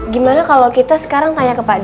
gimana kalau kita sekarang tanya ke pak d